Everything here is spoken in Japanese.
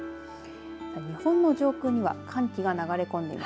日本の上空には寒気が流れ込んでいます。